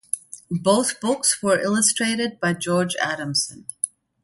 Both books were illustrated by George Adamson.